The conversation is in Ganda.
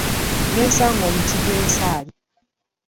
Nesanga omuti gw'ensaali.